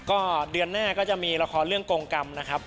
ก็เดือนหน้าก็จะมีละครเรื่องกรงกรรมนะครับ